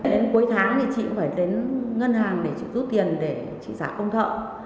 đến cuối tháng thì chị cũng phải đến ngân hàng để chị rút tiền để chị giả công thợ